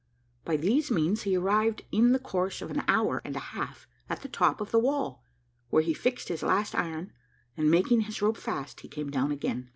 By these means he arrived in the course of an hour and a half at the top of the wall, where he fixed his last iron, and making his rope fast, he came down again.